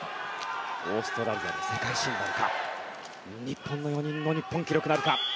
オーストラリアの世界新なるか日本の４人の日本記録なるか。